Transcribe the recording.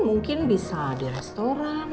mungkin bisa di restoran